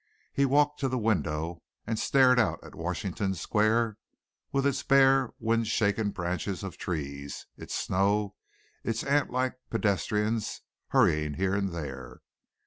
He walked to the window and stared out at Washington Square, with its bare, wind shaken branches of trees, its snow, its ant like pedestrians hurrying here and there.